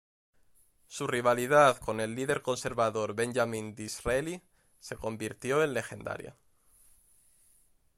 Su rivalidad con el líder conservador Benjamin Disraeli se convirtió en legendaria.